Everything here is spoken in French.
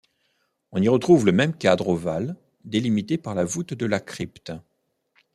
On y retrouve le même cadre ovale délimité par la voûte de la crypte.